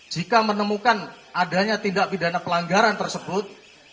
jika menemukan adanya tindak pidana pelanggaran tersebut